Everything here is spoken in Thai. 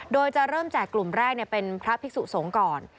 โดยจะเริ่มแจกกลุ่มแรกเป็นพระภิกษุสงฆ์ก่อน